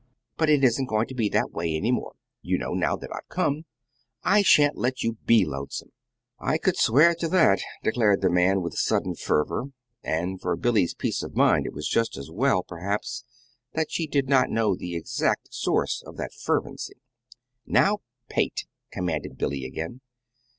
But it isn't going to be that way, any more, you know, now that I've come. I sha'n't let you be lonesome." "I could swear to that," declared the man, with sudden fervor; and for Billy's peace of mind it was just as well, perhaps, that she did not know the exact source of that fervency. "Now paint," commanded Billy again.